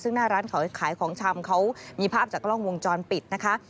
ซึ่งหน้าร้านขายของชำเขามีภาพจากกล้องวงจรปิดนะคะ